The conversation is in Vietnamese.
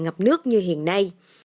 ngập nước như hiện nay